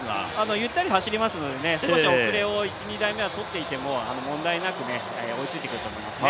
ゆったり走っていますので少し遅れを１２台はとっていても問題なく追いついてくると思いますね。